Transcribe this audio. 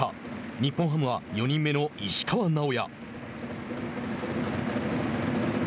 日本ハムは４人目の石川直也。